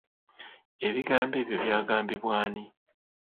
Ebigambo ebyo byagambibwa ani?